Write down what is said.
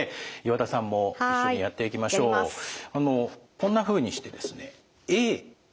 こんなふうにしてですねＡＢＣＤと。